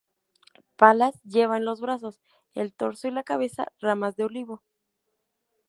Palas lleva en los brazos, el torso y la cabeza ramas de olivo.